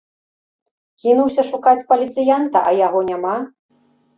Кінуўся шукаць паліцыянта, а яго няма.